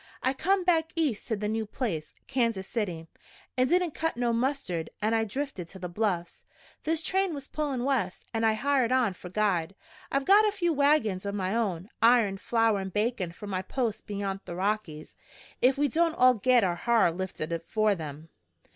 "I come back East to the new place, Kansas City. It didn't cut no mustard, an' I drifted to the Bluffs. This train was pullin' west, an' I hired on for guide. I've got a few wagons o' my own iron, flour an' bacon for my post beyant the Rockies ef we don't all git our ha'r lifted afore then!